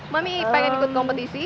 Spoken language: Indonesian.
mami pengen ikut kompetisi